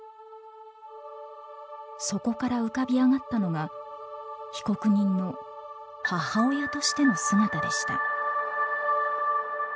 そこから浮かび上がったのが被告人の母親としての姿でした。